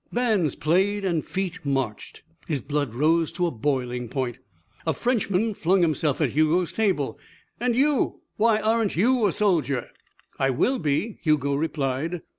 Bands played and feet marched. His blood rose to a boiling point. A Frenchman flung himself at Hugo's table. "And you why aren't you a soldier?" "I will be," Hugo replied.